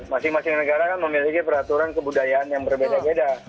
masing masing negara kan memiliki peraturan kebudayaan yang berbeda beda